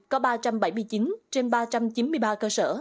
có ba trăm bảy mươi chín trên ba trăm chín mươi ba cơ sở